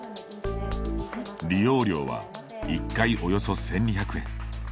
利用料は１回およそ１２００円。